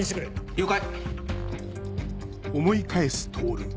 了解！